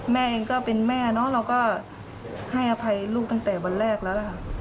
แม่เองก็เป็นแม่เราก็ให้อภัยลูกตั้งแต่วันแรกแล้ว